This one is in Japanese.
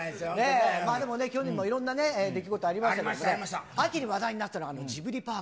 でも去年もいろんな出来事ありましたけど、秋に話題になったのがジブリパーク。